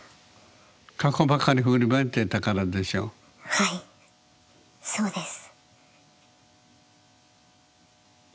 はいそうです。